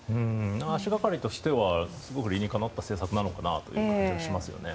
足がかりとしてはすごく理にかなった政策なのかなという気がしますよね。